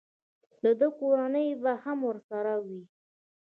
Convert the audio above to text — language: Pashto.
د ده کورنۍ به هم ورسره وي.